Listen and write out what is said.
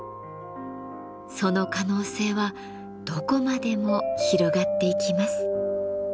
その可能性はどこまでも広がっていきます。